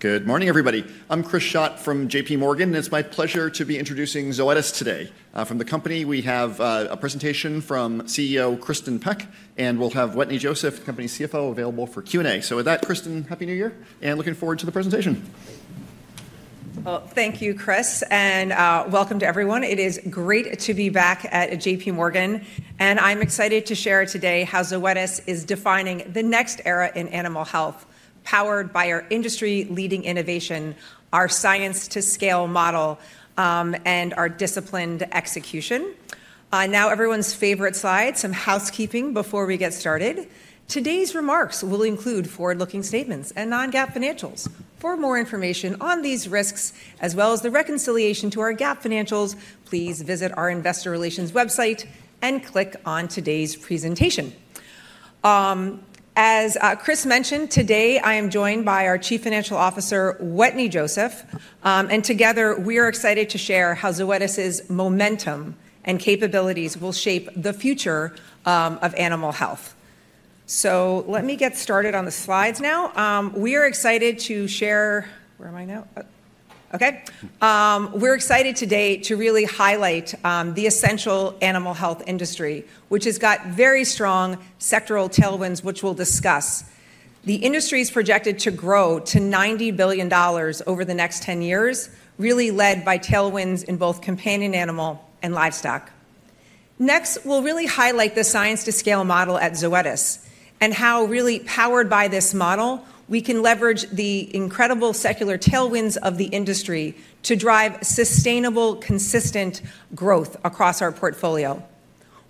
Good morning, everybody. I'm Chris Schott from J.P. Morgan, and it's my pleasure to be introducing Zoetis today. From the company, we have a presentation from CEO Kristin Peck, and we'll have Wetteny Joseph, the company's CFO, available for Q&A. So with that, Kristin, happy New Year, and looking forward to the presentation. Thank you, Chris, and welcome to everyone. It is great to be back at J.P. Morgan, and I'm excited to share today how Zoetis is defining the next era in animal health, powered by our industry-leading innovation, our science-to-scale model, and our disciplined execution. Now, everyone's favorite slide, some housekeeping before we get started. Today's remarks will include forward-looking statements and non-GAAP financials. For more information on these risks, as well as the reconciliation to our GAAP financials, please visit our investor relations website and click on today's presentation. As Chris mentioned, today I am joined by our Chief Financial Officer, Wetteny Joseph, and together we are excited to share how Zoetis's momentum and capabilities will shape the future of animal health. So let me get started on the slides now. We are excited to share - where am I now? Okay. We're excited today to really highlight the essential animal health industry, which has got very strong sectoral tailwinds, which we'll discuss. The industry is projected to grow to $90 billion over the next 10 years, really led by tailwinds in both companion animal and livestock. Next, we'll really highlight the science-to-scale model at Zoetis and how, really powered by this model, we can leverage the incredible secular tailwinds of the industry to drive sustainable, consistent growth across our portfolio.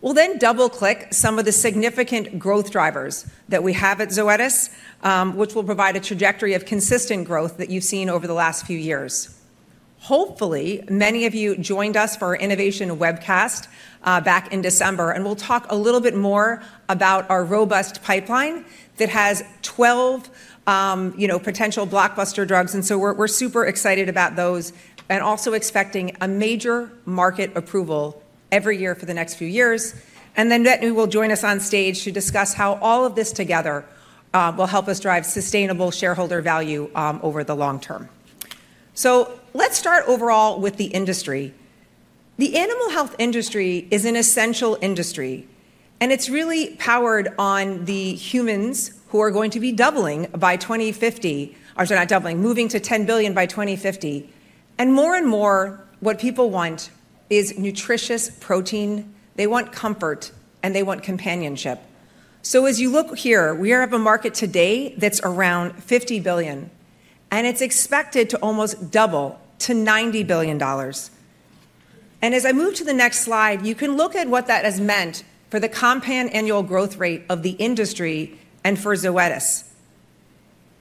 We'll then double-click some of the significant growth drivers that we have at Zoetis, which will provide a trajectory of consistent growth that you've seen over the last few years. Hopefully, many of you joined us for our innovation webcast back in December, and we'll talk a little bit more about our robust pipeline that has 12 potential blockbuster drugs. And so we're super excited about those and also expecting a major market approval every year for the next few years. And then Wetteny will join us on stage to discuss how all of this together will help us drive sustainable shareholder value over the long term. So let's start overall with the industry. The animal health industry is an essential industry, and it's really powered on the humans who are going to be doubling by 2050, or not doubling, moving to 10 billion by 2050. And more and more, what people want is nutritious protein. They want comfort, and they want companionship. So as you look here, we have a market today that's around $50 billion, and it's expected to almost double to $90 billion. As I move to the next slide, you can look at what that has meant for the compound annual growth rate of the industry and for Zoetis.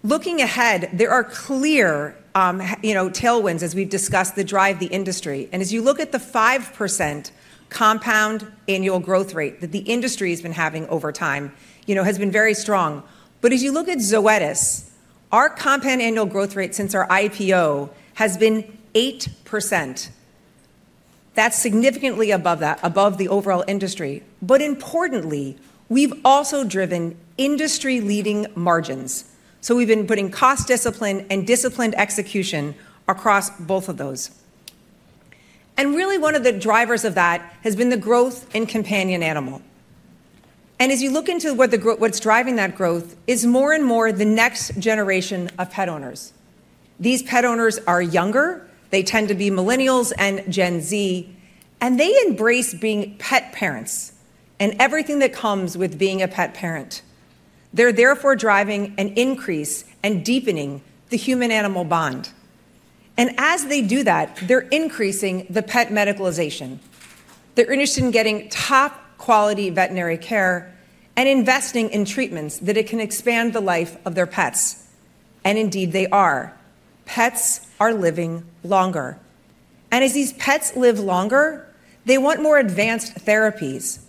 Looking ahead, there are clear tailwinds, as we've discussed, that drive the industry. As you look at the 5% compound annual growth rate that the industry has been having over time, it has been very strong. As you look at Zoetis, our compound annual growth rate since our IPO has been 8%. That's significantly above the overall industry. Importantly, we've also driven industry-leading margins. We've been putting cost discipline and disciplined execution across both of those. Really, one of the drivers of that has been the growth in companion animal. As you look into what's driving that growth, it's more and more the next generation of pet owners. These pet owners are younger. They tend to be Millennials and Gen Z, and they embrace being pet parents and everything that comes with being a pet parent. They're therefore driving an increase and deepening the human-animal bond. And as they do that, they're increasing the pet medicalization. They're interested in getting top-quality veterinary care and investing in treatments that can expand the life of their pets. And indeed, they are. Pets are living longer. And as these pets live longer, they want more advanced therapies.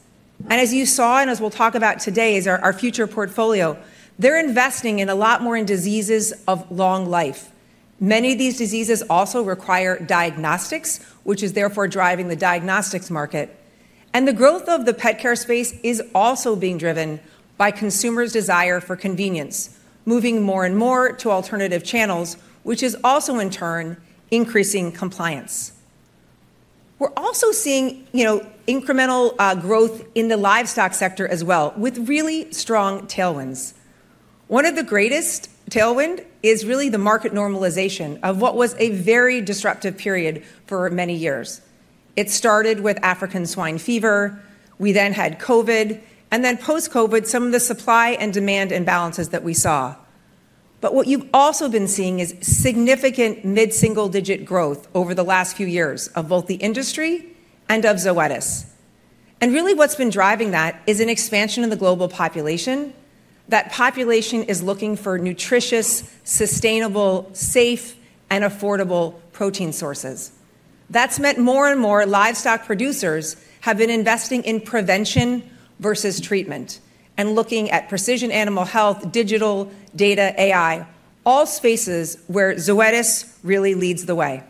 And as you saw, and as we'll talk about today as our future portfolio, they're investing a lot more in diseases of long life. Many of these diseases also require diagnostics, which is therefore driving the diagnostics market. And the growth of the pet care space is also being driven by consumers' desire for convenience, moving more and more to alternative channels, which is also, in turn, increasing compliance. We're also seeing incremental growth in the livestock sector as well, with really strong tailwinds. One of the greatest tailwinds is really the market normalization of what was a very disruptive period for many years. It started with African swine fever. We then had COVID, and then post-COVID, some of the supply and demand imbalances that we saw. But what you've also been seeing is significant mid-single-digit growth over the last few years of both the industry and of Zoetis. And really, what's been driving that is an expansion of the global population. That population is looking for nutritious, sustainable, safe, and affordable protein sources. That's meant more and more livestock producers have been investing in prevention versus treatment and looking at precision animal health, digital data, AI, all spaces where Zoetis really leads the way.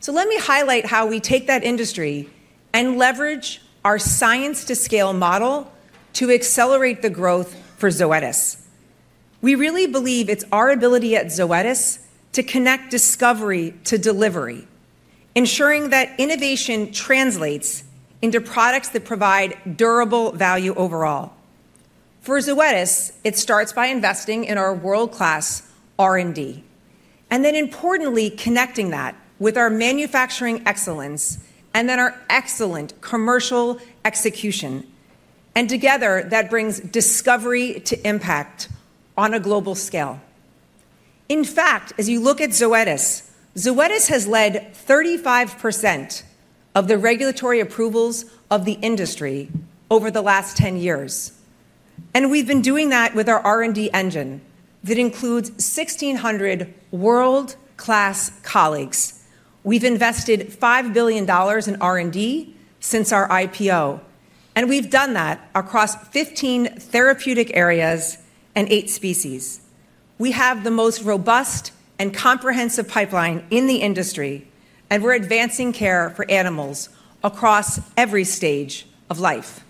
So let me highlight how we take that industry and leverage our science-to-scale model to accelerate the growth for Zoetis. We really believe it's our ability at Zoetis to connect discovery to delivery, ensuring that innovation translates into products that provide durable value overall. For Zoetis, it starts by investing in our world-class R&D, and then importantly, connecting that with our manufacturing excellence and then our excellent commercial execution. And together, that brings discovery to impact on a global scale. In fact, as you look at Zoetis, Zoetis has led 35% of the regulatory approvals of the industry over the last 10 years. And we've been doing that with our R&D engine that includes 1,600 world-class colleagues. We've invested $5 billion in R&D since our IPO, and we've done that across 15 therapeutic areas and eight species. We have the most robust and comprehensive pipeline in the industry, and we're advancing care for animals across every stage of life.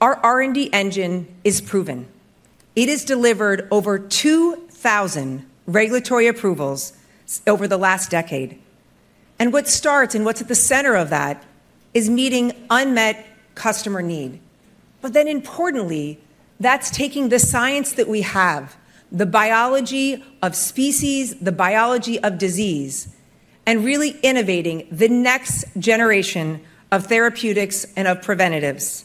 Our R&D engine is proven. It has delivered over 2,000 regulatory approvals over the last decade. And what starts and what's at the center of that is meeting unmet customer need. But then importantly, that's taking the science that we have, the biology of species, the biology of disease, and really innovating the next generation of therapeutics and of preventatives.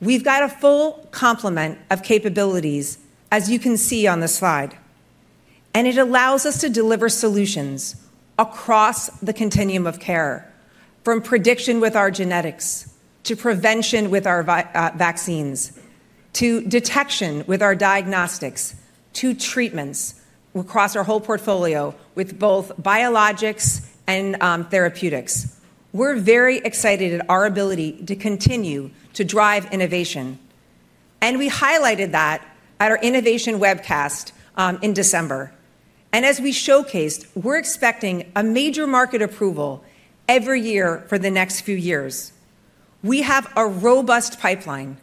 We've got a full complement of capabilities, as you can see on the slide. And it allows us to deliver solutions across the continuum of care, from prediction with our genetics to prevention with our vaccines, to detection with our diagnostics, to treatments across our whole portfolio with both biologics and therapeutics. We're very excited at our ability to continue to drive innovation. We highlighted that at our innovation webcast in December. As we showcased, we're expecting a major market approval every year for the next few years. We have a robust pipeline.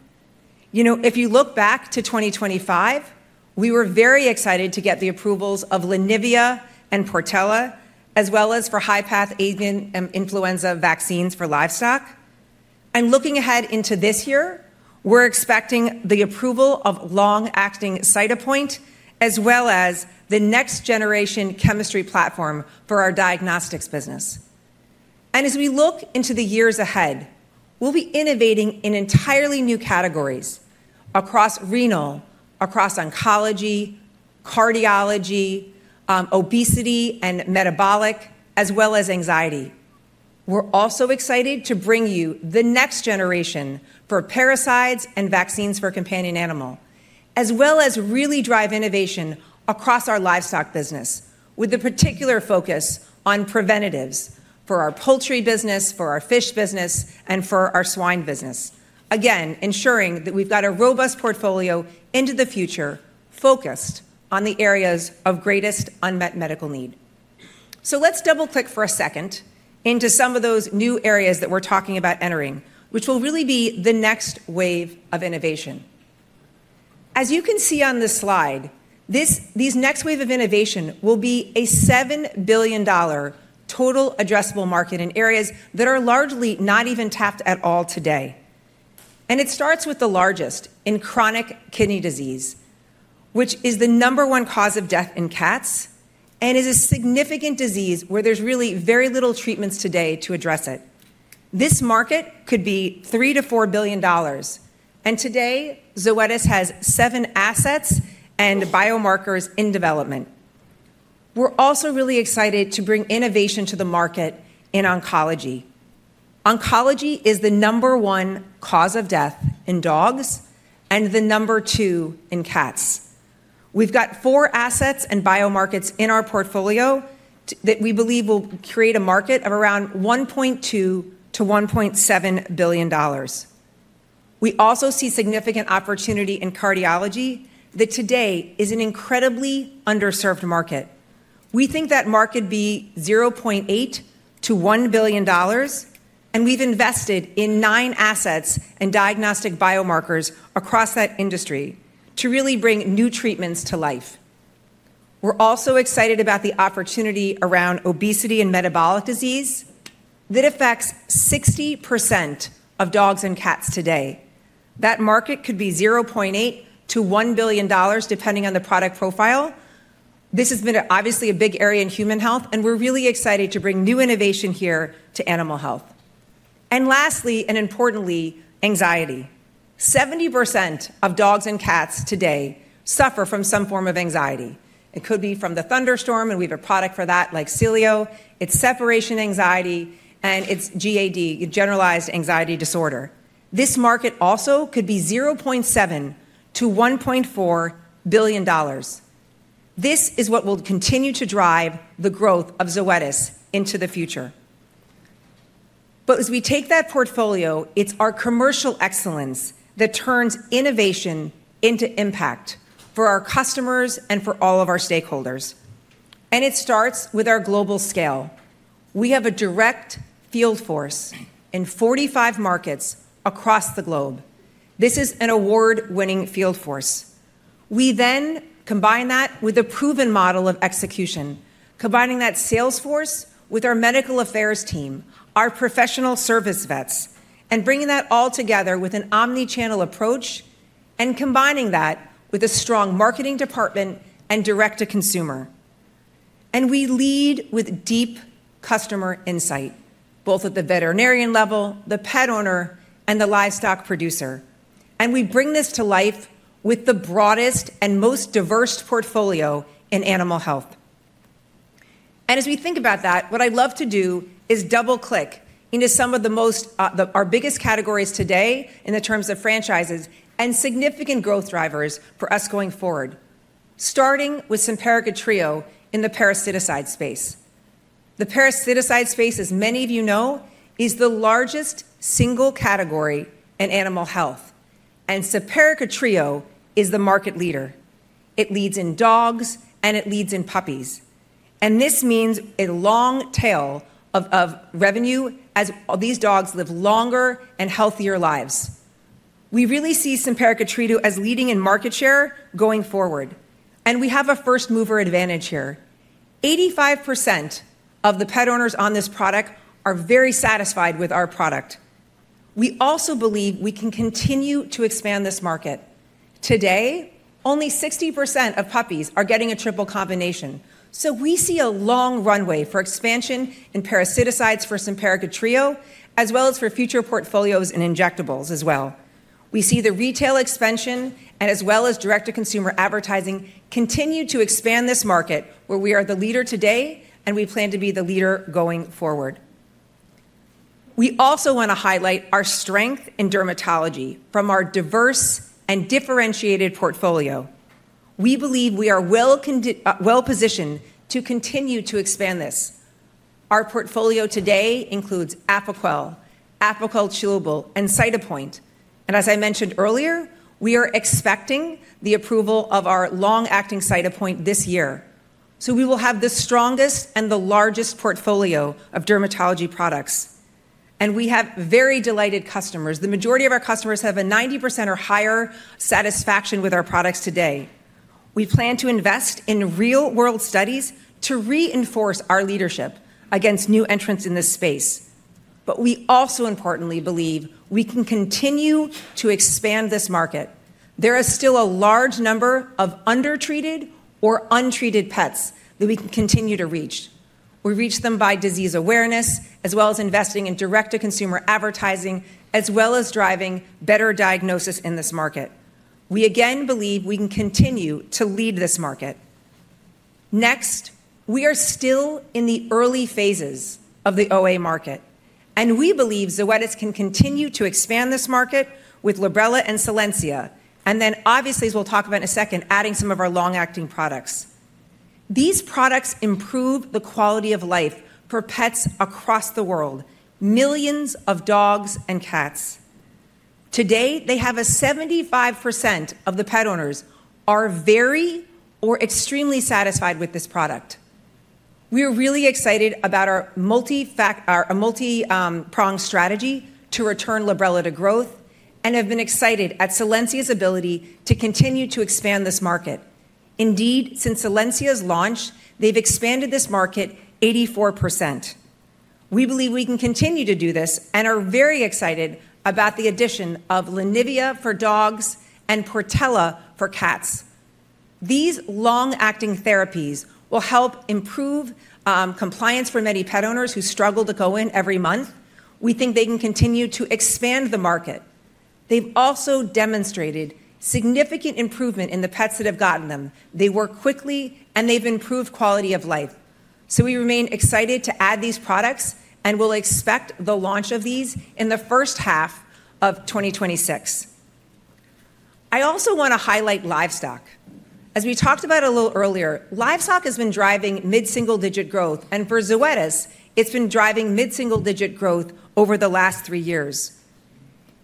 If you look back to 2025, we were very excited to get the approvals of and Portela, as well as for highly pathogenic avian influenza vaccines for livestock. Looking ahead into this year, we're expecting the approval of long-acting Cytopoint, as well as the next-generation chemistry platform for our diagnostics business. As we look into the years ahead, we'll be innovating in entirely new categories across renal, across oncology, cardiology, obesity, and metabolic, as well as anxiety. We're also excited to bring you the next generation for parasites and vaccines for companion animal, as well as really drive innovation across our livestock business, with a particular focus on preventatives for our poultry business, for our fish business, and for our swine business. Again, ensuring that we've got a robust portfolio into the future focused on the areas of greatest unmet medical need. So let's double-click for a second into some of those new areas that we're talking about entering, which will really be the next wave of innovation. As you can see on this slide, these next wave of innovation will be a $7 billion total addressable market in areas that are largely not even tapped at all today. It starts with the largest opportunity in chronic kidney disease, which is the number one cause of death in cats and is a significant disease where there's really very little treatments today to address it. This market could be $3-$4 billion. Today, Zoetis has seven assets and biomarkers in development. We're also really excited to bring innovation to the market in oncology. Oncology is the number one cause of death in dogs and the number two in cats. We've got four assets and biomarkers in our portfolio that we believe will create a market of around $1.2-$1.7 billion. We also see significant opportunity in cardiology that today is an incredibly underserved market. We think that market would be $0.8-$1 billion, and we've invested in nine assets and diagnostic biomarkers across that industry to really bring new treatments to life. We're also excited about the opportunity around obesity and metabolic disease that affects 60% of dogs and cats today. That market could be $0.8-$1 billion, depending on the product profile. This has been obviously a big area in human health, and we're really excited to bring new innovation here to animal health. And lastly, and importantly, anxiety. 70% of dogs and cats today suffer from some form of anxiety. It could be from the thunderstorm, and we have a product for that like Sileo. It's separation anxiety, and it's GAD, Generalized Anxiety Disorder. This market also could be $0.7-$1.4 billion. This is what will continue to drive the growth of Zoetis into the future. But as we take that portfolio, it's our commercial excellence that turns innovation into impact for our customers and for all of our stakeholders. And it starts with our global scale. We have a direct field force in 45 markets across the globe. This is an award-winning field force. We then combine that with a proven model of execution, combining that sales force with our medical affairs team, our professional service vets, and bringing that all together with an omnichannel approach and combining that with a strong marketing department and direct-to-consumer. And we lead with deep customer insight, both at the veterinarian level, the pet owner, and the livestock producer. And we bring this to life with the broadest and most diverse portfolio in animal health. And as we think about that, what I'd love to do is double-click into some of our biggest categories today in terms of franchises and significant growth drivers for us going forward, starting with Simparica Trio in the parasiticide space. The parasiticide space, as many of you know, is the largest single category in animal health. And Simparica Trio is the market leader. It leads in dogs, and it leads in puppies. And this means a long tail of revenue as these dogs live longer and healthier lives. We really see Simparica Trio as leading in market share going forward. And we have a first-mover advantage here. 85% of the pet owners on this product are very satisfied with our product. We also believe we can continue to expand this market. Today, only 60% of puppies are getting a triple combination. So we see a long runway for expansion in parasiticides for Simparica Trio, as well as for future portfolios and injectables as well. We see the retail expansion and as well as direct-to-consumer advertising continue to expand this market where we are the leader today, and we plan to be the leader going forward. We also want to highlight our strength in dermatology from our diverse and differentiated portfolio. We believe we are well-positioned to continue to expand this. Our portfolio today includes Apoquel, Apoquel Chewable, and Cytopoint. And as I mentioned earlier, we are expecting the approval of our long-acting Cytopoint this year. So we will have the strongest and the largest portfolio of dermatology products. And we have very delighted customers. The majority of our customers have a 90% or higher satisfaction with our products today. We plan to invest in real-world studies to reinforce our leadership against new entrants in this space. But we also importantly believe we can continue to expand this market. There is still a large number of undertreated or untreated pets that we can continue to reach. We reach them by disease awareness, as well as investing in direct-to-consumer advertising, as well as driving better diagnosis in this market. We again believe we can continue to lead this market. Next, we are still in the early phases of the OA market, and we believe Zoetis can continue to expand this market with Librela and Solensia, and then obviously, as we'll talk about in a second, adding some of our long-acting products. These products improve the quality of life for pets across the world, millions of dogs and cats. Today, they have a 75% of the pet owners who are very or extremely satisfied with this product. We are really excited about our multi-pronged strategy to return Librela to growth and have been excited at Solensia's ability to continue to expand this market. Indeed, since Solensia's launch, they've expanded this market 84%. We believe we can continue to do this and are very excited about the addition of Librela for dogs and Solensia for cats. These long-acting therapies will help improve compliance for many pet owners who struggle to go in every month. We think they can continue to expand the market. They've also demonstrated significant improvement in the pets that have gotten them. They work quickly, and they've improved quality of life. So we remain excited to add these products, and we'll expect the launch of these in the first half of 2026. I also want to highlight livestock. As we talked about a little earlier, livestock has been driving mid-single-digit growth, and for Zoetis, it's been driving mid-single-digit growth over the last three years.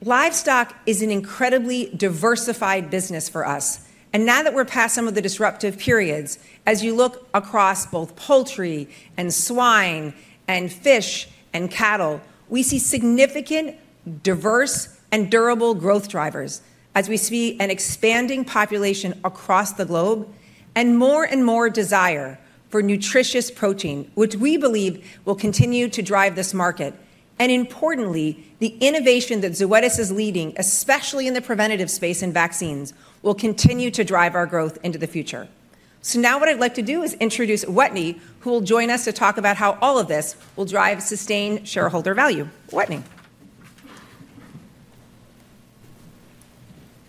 Livestock is an incredibly diversified business for us. Now that we're past some of the disruptive periods, as you look across both poultry and swine and fish and cattle, we see significant, diverse, and durable growth drivers as we see an expanding population across the globe and more and more desire for nutritious protein, which we believe will continue to drive this market. Importantly, the innovation that Zoetis is leading, especially in the preventative space and vaccines, will continue to drive our growth into the future. Now what I'd like to do is introduce Wetteny, who will join us to talk about how all of this will drive sustained shareholder value. Wetteny.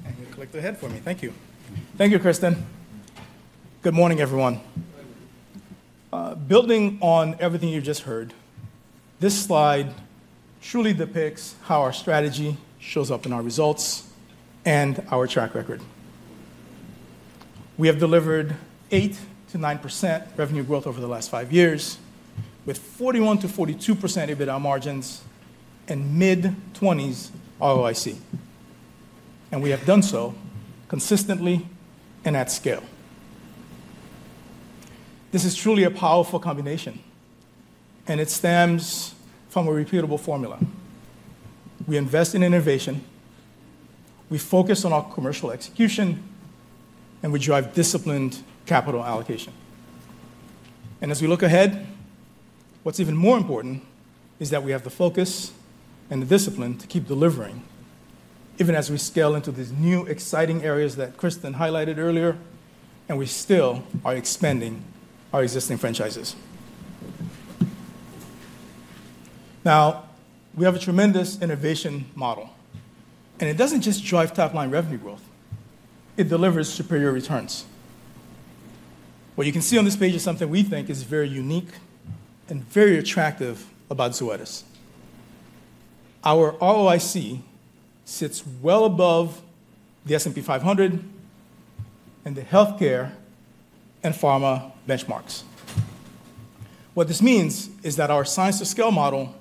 And you'll take it from here for me. Thank you. Thank you, Kristin. Good morning, everyone. Building on everything you've just heard, this slide truly depicts how our strategy shows up in our results and our track record. We have delivered 8%-9% revenue growth over the last five years, with 41%-42% EBITDA margins and mid-20s ROIC, and we have done so consistently and at scale. This is truly a powerful combination, and it stems from a repeatable formula. We invest in innovation, we focus on our commercial execution, and we drive disciplined capital allocation. As we look ahead, what's even more important is that we have the focus and the discipline to keep delivering, even as we scale into these new exciting areas that Kristin highlighted earlier, and we still are expanding our existing franchises. Now, we have a tremendous innovation model, and it doesn't just drive top-line revenue growth. It delivers superior returns. What you can see on this page is something we think is very unique and very attractive about Zoetis. Our ROIC sits well above the S&P 500 and the healthcare and pharma benchmarks. What this means is that our science-to-scale model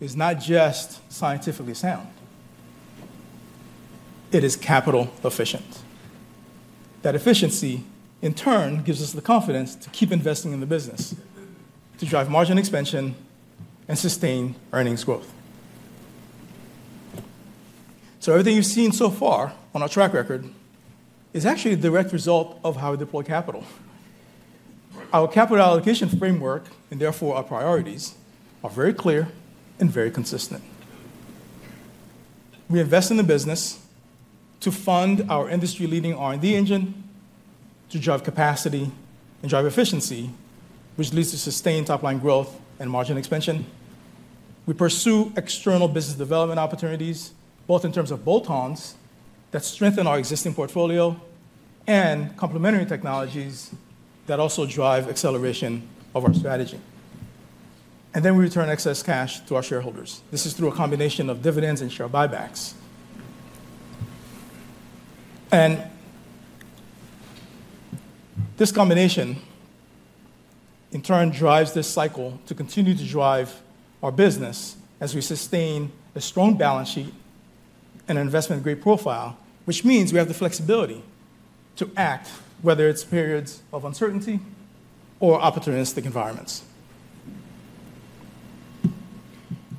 is not just scientifically sound. It is capital-efficient. That efficiency, in turn, gives us the confidence to keep investing in the business, to drive margin expansion, and sustain earnings growth. So everything you've seen so far on our track record is actually a direct result of how we deploy capital. Our capital allocation framework, and therefore our priorities, are very clear and very consistent. We invest in the business to fund our industry-leading R&D engine to drive capacity and drive efficiency, which leads to sustained top-line growth and margin expansion. We pursue external business development opportunities, both in terms of bolt-ons that strengthen our existing portfolio and complementary technologies that also drive acceleration of our strategy, and then we return excess cash to our shareholders. This is through a combination of dividends and share buybacks, and this combination, in turn, drives this cycle to continue to drive our business as we sustain a strong balance sheet and an investment-grade profile, which means we have the flexibility to act, whether it's periods of uncertainty or opportunistic environments.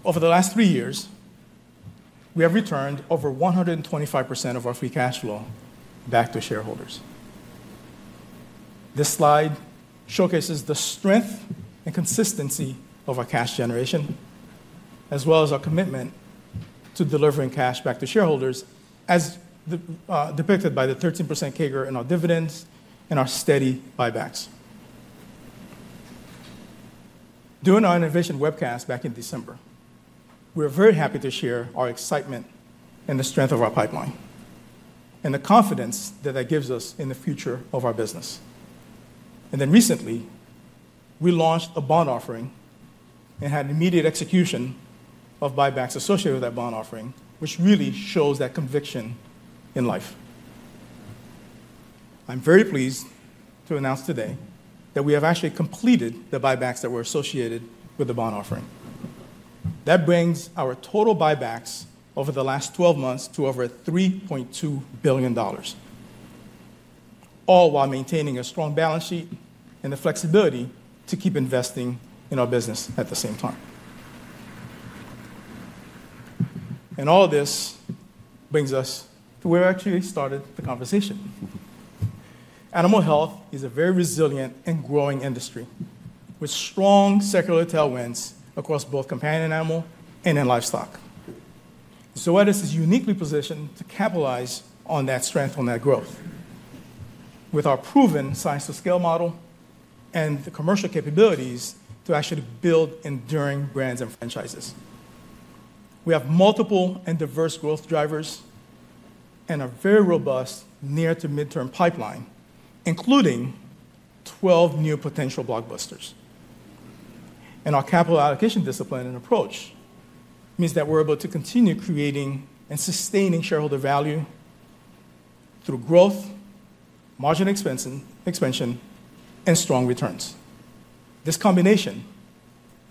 Over the last three years, we have returned over 125% of our free cash flow back to shareholders. This slide showcases the strength and consistency of our cash generation, as well as our commitment to delivering cash back to shareholders, as depicted by the 13% CAGR in our dividends and our steady buybacks. During our innovation webcast back in December, we were very happy to share our excitement and the strength of our pipeline and the confidence that that gives us in the future of our business, and then recently, we launched a bond offering and had immediate execution of buybacks associated with that bond offering, which really shows that conviction in life. I'm very pleased to announce today that we have actually completed the buybacks that were associated with the bond offering. That brings our total buybacks over the last 12 months to over $3.2 billion, all while maintaining a strong balance sheet and the flexibility to keep investing in our business at the same time, and all of this brings us to where I actually started the conversation. Animal health is a very resilient and growing industry with strong sectoral tailwinds across both companion animal and in livestock. Zoetis is uniquely positioned to capitalize on that strength and that growth with our proven science-to-scale model and the commercial capabilities to actually build enduring brands and franchises. We have multiple and diverse growth drivers and a very robust near-to-mid-term pipeline, including 12 new potential blockbusters. And our capital allocation discipline and approach means that we're able to continue creating and sustaining shareholder value through growth, margin expansion, and strong returns. This combination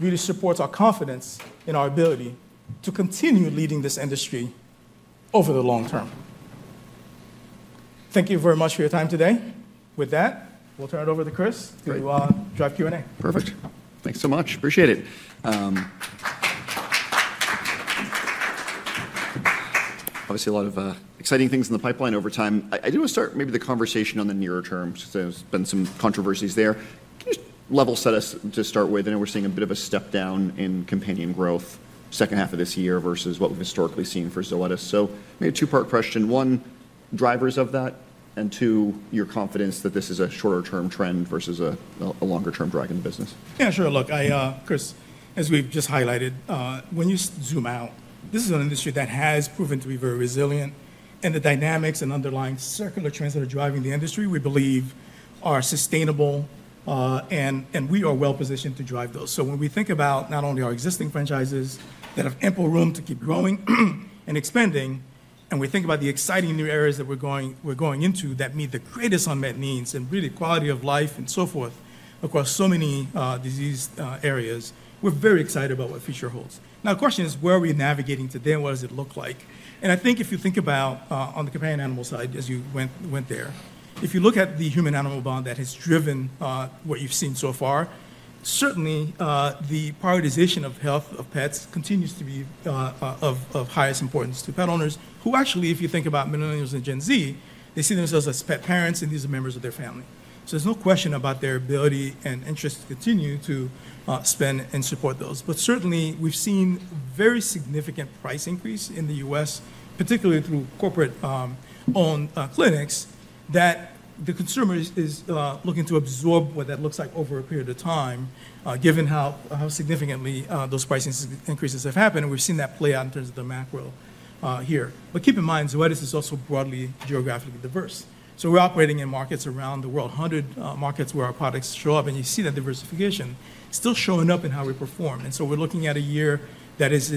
really supports our confidence in our ability to continue leading this industry over the long term. Thank you very much for your time today. With that, we'll turn it over to Chris to drive Q&A. Perfect. Thanks so much. Appreciate it. Obviously, a lot of exciting things in the pipeline over time. I do want to start maybe the conversation on the nearer terms because there's been some controversies there. Can you just level set us to start with? I know we're seeing a bit of a step down in companion growth the second half of this year versus what we've historically seen for Zoetis. So maybe a two-part question. One, drivers of that, and two, your confidence that this is a shorter-term trend versus a longer-term drag in the business? Yeah, sure. Look, Chris, as we've just highlighted, when you zoom out, this is an industry that has proven to be very resilient. And the dynamics and underlying secular trends that are driving the industry, we believe, are sustainable, and we are well-positioned to drive those. So when we think about not only our existing franchises that have ample room to keep growing and expanding, and we think about the exciting new areas that we're going into that meet the greatest unmet needs and really quality of life and so forth across so many disease areas, we're very excited about what the future holds. Now, the question is, where are we navigating today and what does it look like, and I think if you think about on the companion animal side, as you went there, if you look at the human-animal bond that has driven what you've seen so far, certainly the prioritization of health of pets continues to be of highest importance to pet owners who actually, if you think about Millennials and Gen Z, they see themselves as pet parents, and these are members of their family. So there's no question about their ability and interest to continue to spend and support those. But certainly, we've seen very significant price increase in the U.S., particularly through corporate-owned clinics, that the consumer is looking to absorb what that looks like over a period of time, given how significantly those price increases have happened. And we've seen that play out in terms of the macro here. But keep in mind, Zoetis is also broadly geographically diverse. So we're operating in markets around the world, 100 markets where our products show up, and you see that diversification still showing up in how we perform. And so we're looking at a year that is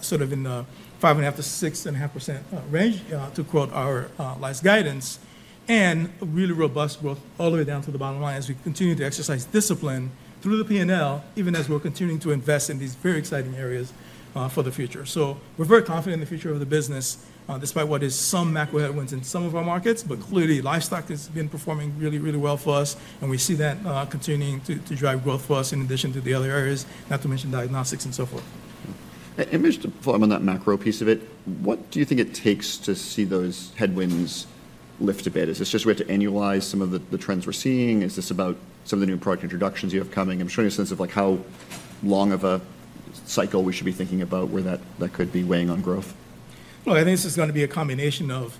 sort of in the 5.5%-6.5% range, to quote our last guidance, and really robust growth all the way down to the bottom line as we continue to exercise discipline through the P&L, even as we're continuing to invest in these very exciting areas for the future. So we're very confident in the future of the business, despite what is some macro headwinds in some of our markets, but clearly, livestock has been performing really, really well for us, and we see that continuing to drive growth for us in addition to the other areas, not to mention diagnostics and so forth. And just to follow up on that macro piece of it, what do you think it takes to see those headwinds lift a bit? Is this just where to annualize some of the trends we're seeing? Is this about some of the new product introductions you have coming? I'm just trying to get a sense of how long of a cycle we should be thinking about where that could be weighing on growth? Look, I think this is going to be a combination of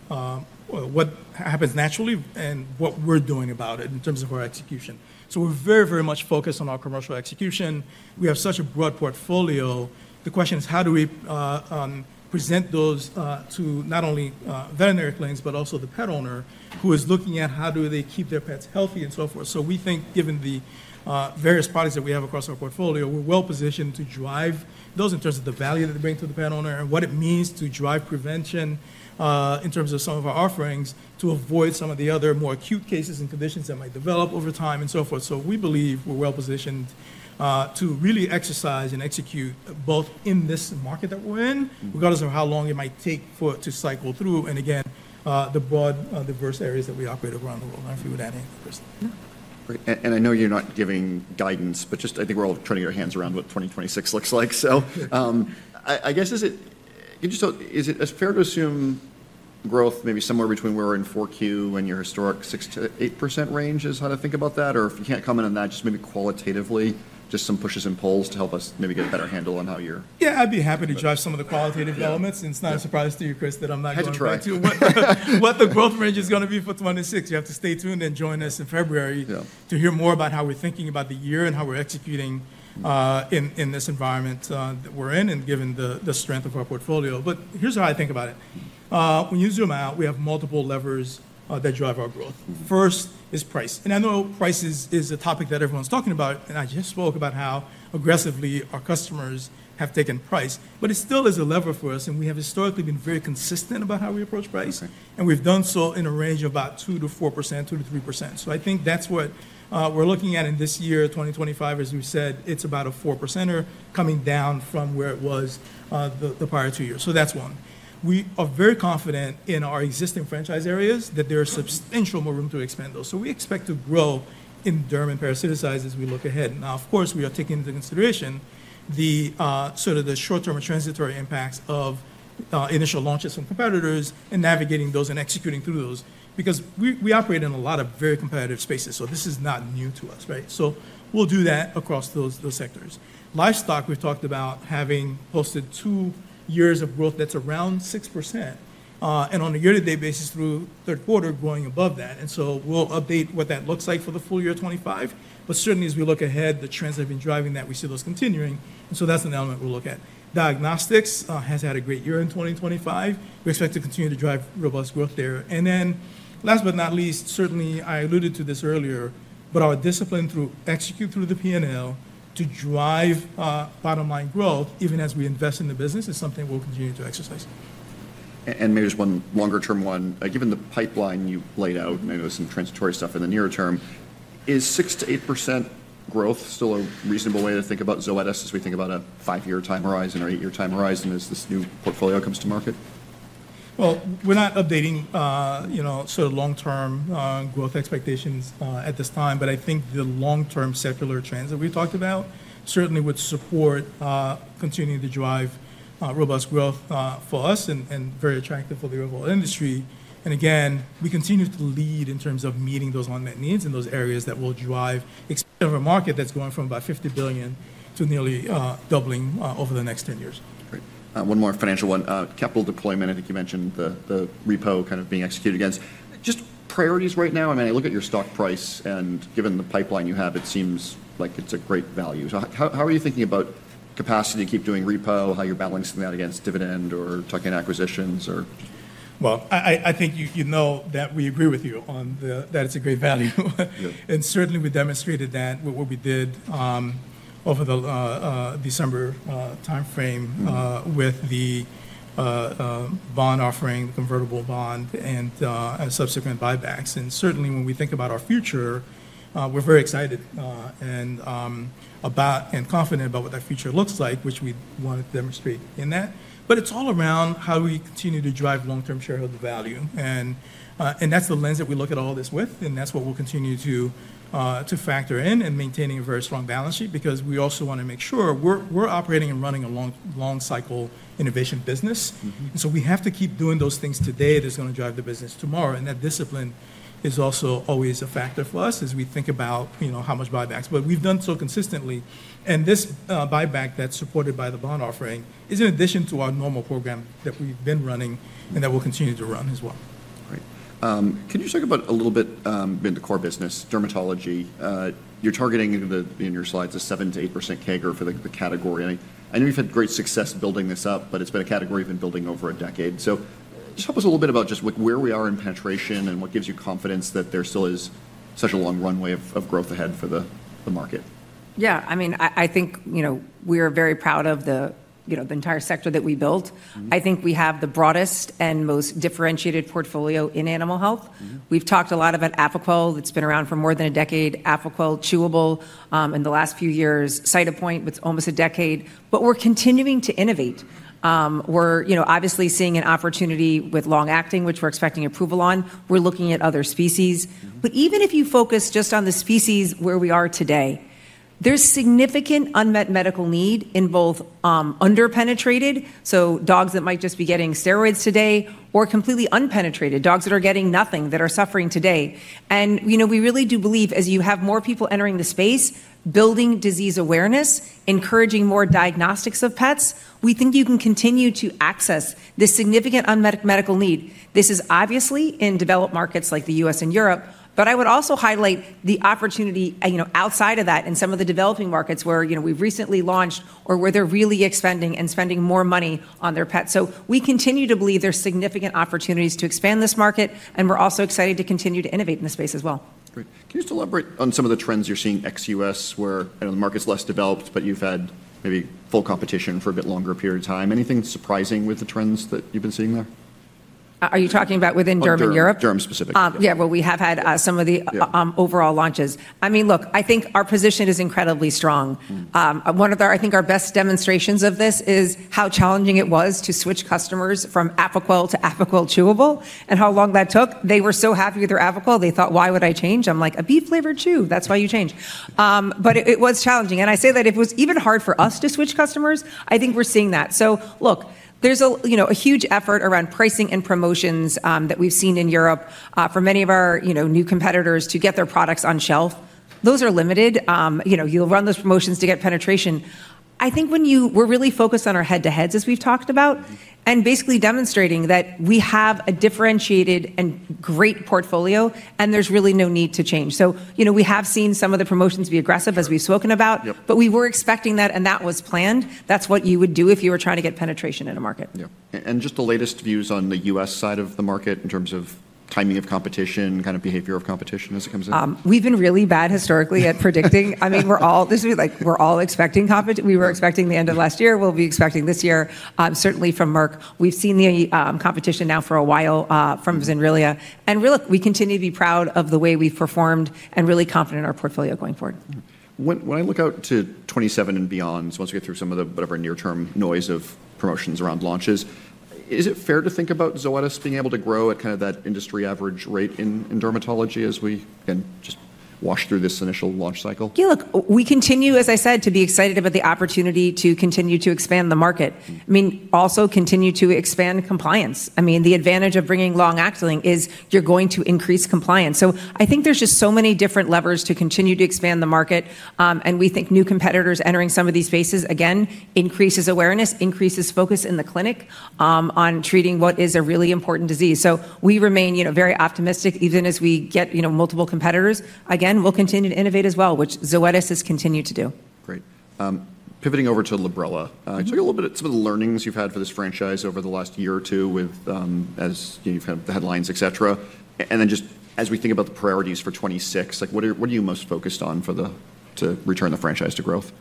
what happens naturally and what we're doing about it in terms of our execution. We're very, very much focused on our commercial execution. We have such a broad portfolio. The question is, how do we present those to not only veterinary clinics, but also the pet owner who is looking at how do they keep their pets healthy and so forth? So we think, given the various products that we have across our portfolio, we're well-positioned to drive those in terms of the value that they bring to the pet owner and what it means to drive prevention in terms of some of our offerings to avoid some of the other more acute cases and conditions that might develop over time and so forth. So we believe we're well-positioned to really exercise and execute both in this market that we're in, regardless of how long it might take for it to cycle through, and again, the broad, diverse areas that we operate around the world. I don't know if you would add anything, Chris. And I know you're not giving guidance, but just I think we're all wrapping our heads around what 2026 looks like. So I guess, can you just tell us, is it fair to assume growth maybe somewhere between where we're in 4Q and your historic 6%-8% range is how to think about that? Or if you can't comment on that, just maybe qualitatively, just some pushes and pulls to help us maybe get a better handle on how you're? Yeah, I'd be happy to drive some of the qualitative elements. And it's not a surprise to you, Chris, that I'm not going to explain to you what the growth range is going to be for 2026. You have to stay tuned and join us in February to hear more about how we're thinking about the year and how we're executing in this environment that we're in and given the strength of our portfolio. But here's how I think about it. When you zoom out, we have multiple levers that drive our growth. First is price, and I know price is a topic that everyone's talking about, and I just spoke about how aggressively our customers have taken price, but it still is a lever for us, and we have historically been very consistent about how we approach price, and we've done so in a range of about 2%-4%, 2%-3%, so I think that's what we're looking at in this year, 2025. As we said, it's about a 4% coming down from where it was the prior two years, so that's one. We are very confident in our existing franchise areas that there is substantial more room to expand those, so we expect to grow in dermatology and parasiticide size as we look ahead. Now, of course, we are taking into consideration the sort of short-term or transitory impacts of initial launches from competitors and navigating those and executing through those because we operate in a lot of very competitive spaces. So this is not new to us, right? So we'll do that across those sectors. Livestock, we've talked about having posted two years of growth that's around 6%, and on a year-to-date basis through third quarter, growing above that. And so we'll update what that looks like for the full year of 2025. But certainly, as we look ahead, the trends have been driving that. We see those continuing. And so that's an element we'll look at. Diagnostics has had a great year in 2025. We expect to continue to drive robust growth there. Then last but not least, certainly, I alluded to this earlier, but our disciplined execution through the P&L to drive bottom-line growth, even as we invest in the business, is something we'll continue to exercise. And maybe just one longer-term one. Given the pipeline you laid out, and I know some transitory stuff in the nearer term, is 6%-8% growth still a reasonable way to think about Zoetis as we think about a five year time horizon or eight year time horizon as this new portfolio comes to market? Well, we're not updating sort of long-term growth expectations at this time, but I think the long-term secular trends that we talked about certainly would support continuing to drive robust growth for us and very attractive for the overall industry. And again, we continue to lead in terms of meeting those unmet needs in those areas that will drive excitement of a market that's going from about $50 billion to nearly doubling over the next 10 years. Great. One more financial one. Capital deployment, I think you mentioned the repo kind of being executed against. Just priorities right now, I mean, I look at your stock price, and given the pipeline you have, it seems like it's a great value. So how are you thinking about capacity to keep doing repo, how you're balancing some of that against dividend or tuck-in acquisitions? Well, I think you know that we agree with you on that it's a great value. And certainly, we demonstrated that with what we did over the December timeframe with the bond offering, the convertible bond, and subsequent buybacks. And certainly, when we think about our future, we're very excited and confident about what that future looks like, which we wanted to demonstrate in that. But it's all around how do we continue to drive long-term shareholder value. And that's the lens that we look at all this with, and that's what we'll continue to factor in and maintain a very strong balance sheet because we also want to make sure we're operating and running a long-cycle innovation business. And so we have to keep doing those things today that are going to drive the business tomorrow. And that discipline is also always a factor for us as we think about how much buybacks. But we've done so consistently. And this buyback that's supported by the bond offering is in addition to our normal program that we've been running and that we'll continue to run as well. Great. Can you talk about a little bit into core business, dermatology? You're targeting in your slides a 7%-8% CAGR for the category. I know you've had great success building this up, but it's been a category you've been building over a decade. So just help us a little bit about just where we are in penetration and what gives you confidence that there still is such a long runway of growth ahead for the market. Yeah. I mean, I think we are very proud of the entire sector that we built. I think we have the broadest and most differentiated portfolio in animal health. We've talked a lot about Apoquel. It's been around for more than a decade. Apoquel Chewable, in the last few years. Cytopoint, with almost a decade. But we're continuing to innovate. We're obviously seeing an opportunity with long-acting, which we're expecting approval on. We're looking at other species. But even if you focus just on the species where we are today, there's significant unmet medical need in both underpenetrated, so dogs that might just be getting steroids today, or completely unpenetrated, dogs that are getting nothing, that are suffering today, and we really do believe as you have more people entering the space, building disease awareness, encouraging more diagnostics of pets, we think you can continue to access this significant unmet medical need. This is obviously in developed markets like the U.S. and Europe, but I would also highlight the opportunity outside of that in some of the developing markets where we've recently launched or where they're really expanding and spending more money on their pets. So we continue to believe there's significant opportunities to expand this market, and we're also excited to continue to innovate in the space as well. Great. Can you just elaborate on some of the trends you're seeing ex-US, where the market's less developed, but you've had maybe full competition for a bit longer period of time? Anything surprising with the trends that you've been seeing there? Are you talking about within ex-US and Europe? ex-US specifically. Yeah, well, we have had some of the overall launches. I mean, look, I think our position is incredibly strong. One of our, I think, our best demonstrations of this is how challenging it was to switch customers from Apoquel to Apoquel Chewable and how long that took. They were so happy with their Apoquel. They thought, "Why would I change?" I'm like, "A beef-flavored chew. That's why you change." But it was challenging, and I say that it was even hard for us to switch customers. I think we're seeing that. So look, there's a huge effort around pricing and promotions that we've seen in Europe for many of our new competitors to get their products on shelf. Those are limited. You'll run those promotions to get penetration. I think when you were really focused on our head-to-heads, as we've talked about, and basically demonstrating that we have a differentiated and great portfolio, and there's really no need to change. So we have seen some of the promotions be aggressive, as we've spoken about, but we were expecting that, and that was planned. That's what you would do if you were trying to get penetration in a market. Yeah. And just the latest views on the U.S. side of the market in terms of timing of competition, kind of behavior of competition as it comes in? We've been really bad historically at predicting. I mean, we're all expecting competition. We were expecting the end of last year. We'll be expecting this year, certainly from Merck. We've seen the competition now for a while from Zenrelia. And really, we continue to be proud of the way we've performed and really confident in our portfolio going forward. When I look out to 2027 and beyond, so once we get through some of the whatever near-term noise of promotions around launches, is it fair to think about Zoetis being able to grow at kind of that industry average rate in dermatology as we, again, just wash through this initial launch cycle? Yeah, look, we continue, as I said, to be excited about the opportunity to continue to expand the market. I mean, also continue to expand compliance. I mean, the advantage of bringing long-acting is you're going to increase compliance. So I think there's just so many different levers to continue to expand the market. And we think new competitors entering some of these spaces, again, increases awareness, increases focus in the clinic on treating what is a really important disease. So we remain very optimistic even as we get multiple competitors. Again, we'll continue to innovate as well, which Zoetis has continued to do. Great. Pivoting over to Librela, talk a little bit about some of the learnings you've had for this franchise over the last year or two with, as you've had the headlines, etc. And then just as we think about the priorities for 2026, what are you most focused on to return the franchise to growth?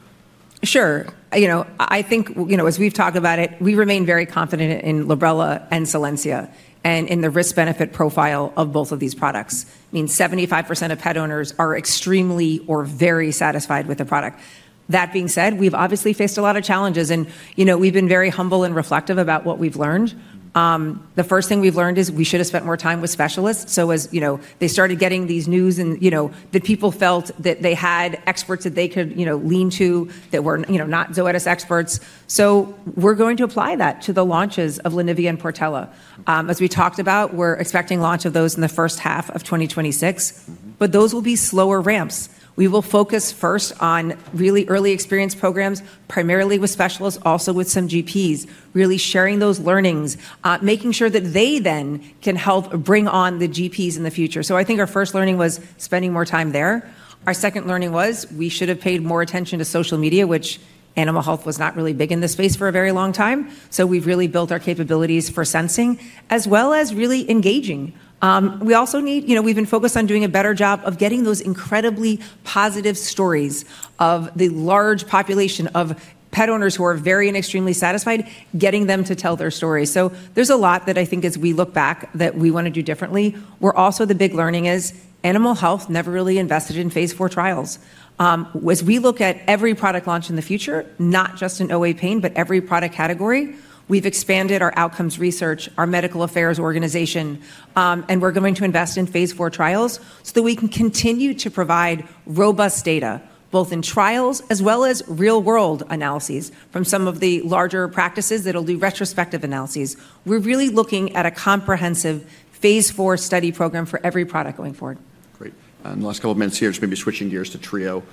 Sure. I think as we've talked about it, we remain very confident in Librela and Solensia and in the risk-benefit profile of both of these products. I mean, 75% of pet owners are extremely or very satisfied with the product. That being said, we've obviously faced a lot of challenges, and we've been very humble and reflective about what we've learned. The first thing we've learned is we should have spent more time with specialists. So as they started getting these news and that people felt that they had experts that they could lean to that were not Zoetis experts. So we're going to apply that to the launches of Librela and Solensia. As we talked about, we're expecting launch of those in the first half of 2026, but those will be slower ramps. We will focus first on really early experience programs, primarily with specialists, also with some GPs, really sharing those learnings, making sure that they then can help bring on the GPs in the future. I think our first learning was spending more time there. Our second learning was we should have paid more attention to social media, which animal health was not really big in this space for a very long time. So we've really built our capabilities for sensing as well as really engaging. We've been focused on doing a better job of getting those incredibly positive stories of the large population of pet owners who are very and extremely satisfied, getting them to tell their stories. So there's a lot that I think as we look back that we want to do differently. Our big learning is animal health never really invested in phase 4 trials. As we look at every product launch in the future, not just in OA pain, but every product category, we've expanded our outcomes research, our medical affairs organization, and we're going to invest in phase 4 trials so that we can continue to provide robust data both in trials as well as real-world analyses from some of the larger practices that will do retrospective analyses. We're really looking at a comprehensive phase 4 study program for every product going forward. Great. In the last couple of minutes here, just maybe switching gears to Trio.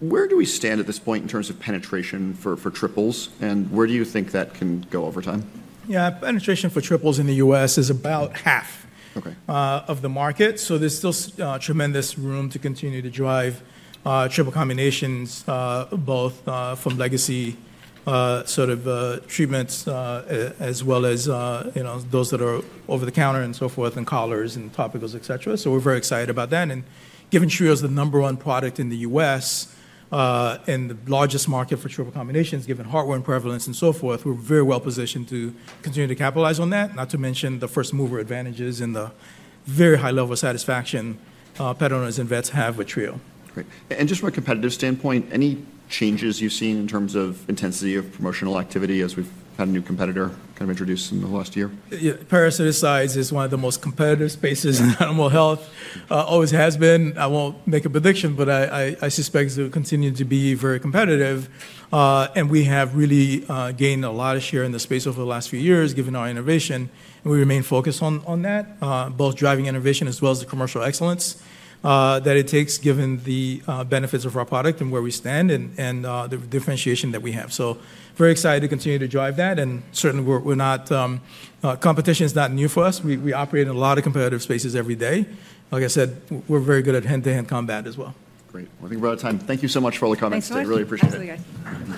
Where do we stand at this point in terms of penetration for triples, and where do you think that can go over time? Yeah, penetration for triples in the US is about half of the market. So there's still tremendous room to continue to drive triple combinations, both from legacy sort of treatments as well as those that are over the counter and so forth, and collars and topicals, etc. So we're very excited about that. And given Trio is the number one product in the US and the largest market for triple combinations, given heartworm and prevalence and so forth, we're very well positioned to continue to capitalize on that, not to mention the first mover advantages and the very high level of satisfaction pet owners and vets have with Trio. Great. And just from a competitive standpoint, any changes you've seen in terms of intensity of promotional activity as we've had a new competitor kind of introduced in the last year? Parasiticide is one of the most competitive spaces in animal health. Always has been. I won't make a prediction, but I suspect it will continue to be very competitive. And we have really gained a lot of share in the space over the last few years given our innovation. And we remain focused on that, both driving innovation as well as the commercial excellence that it takes given the benefits of our product and where we stand and the differentiation that we have. So very excited to continue to drive that. And certainly, competition is not new for us. We operate in a lot of competitive spaces every day. Like I said, we're very good at hand-to-hand combat as well. Great. Well, I think we're out of time. Thank you so much for all the comments today. I really appreciate it. Thank you.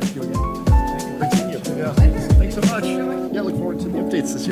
Thank you again. Thank you. Thank you so much. Yeah, look forward to the updates.